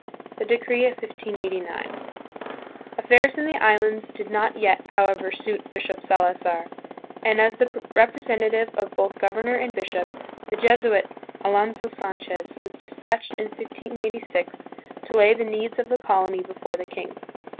The Decree of 1589. Affairs in the Islands did not yet, however, suit Bishop Salazar, and as the representa tive of both governor and bishop, the Jesuit, Alonso Sanchez, was dispatched in 1586 to lay the needs of the colony before the king.